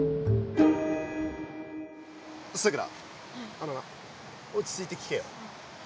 あのな落ち着いて聞けよ。